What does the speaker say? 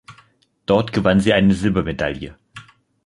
Dort gewann sie eine Silbermedaille.